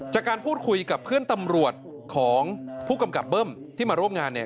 จากการพูดคุยกับเพื่อนตำรวจของผู้กำกับเบิ้มที่มาร่วมงานเนี่ย